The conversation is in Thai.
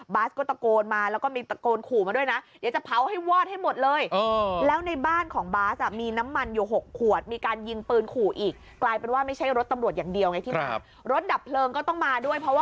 บ๊าซก็ตะโกนมาแล้วก็มีตะโกนขู่มาด้วยนะ